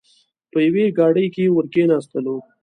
په یوې ګاډۍ کې ور کېناستلو.